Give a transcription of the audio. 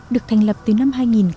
được thành lập từ năm hai nghìn